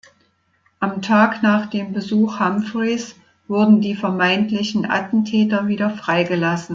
Am Tag nach dem Besuch Humphreys wurden die vermeintlichen Attentäter wieder freigelassen.